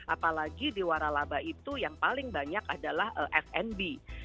apalagi di waralaba itu yang paling banyak adalah fnb